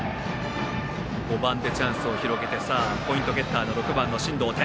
５番でチャンスを広げてポイントゲッター、６番の進藤天。